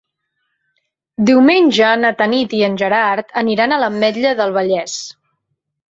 Diumenge na Tanit i en Gerard aniran a l'Ametlla del Vallès.